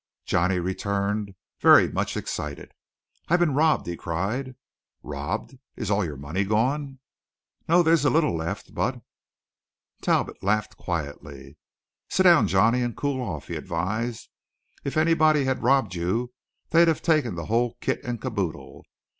Johnny returned very much excited. "I've been robbed!" he cried. "Robbed? Is your money all gone?" "No, there's a little left, but " Talbot laughed quietly. "Sit down, Johnny, and cool off," he advised. "If anybody had robbed you, they'd have taken the whole kit and kaboodle.